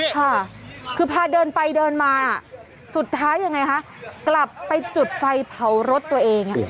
ค่ะคือพาเดินไปเดินมาสุดท้ายยังไงคะกลับไปจุดไฟเผารถตัวเอง